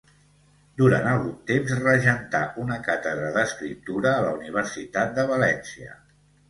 Durant algun temps regentà una càtedra d'Escriptura a la Universitat de València.